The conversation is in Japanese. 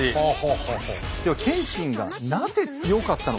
でも謙信がなぜ強かったのか。